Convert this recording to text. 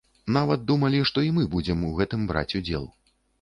Нават думалі, што і мы будзем у гэтым браць удзел.